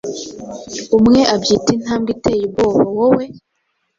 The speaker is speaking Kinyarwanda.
Umwe abyita "intambwe iteye ubwoba rwoe"